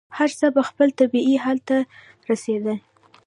هر څه به خپل طبعي حل ته رسېدل.